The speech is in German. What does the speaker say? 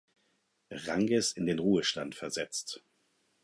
Ranges in den Ruhestand versetzt.